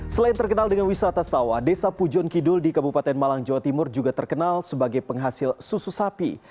selain terkenal dengan wisata sawah desa pujon kidul di kabupaten malang jawa timur juga terkenal sebagai penghasil susu sapi